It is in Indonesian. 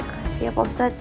makasih ya pak ustadz